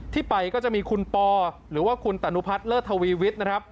ที่ไปก็จะมีคุณปหรือว่าคุณตานุพัฒน์เลอร์ทวีวิทย์